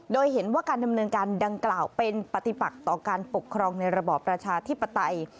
โดยเห็นว่าการดำเนินการดังกล่าวเป็นปฏิปักต่อการปกครองในระบอบประชาธิปไตย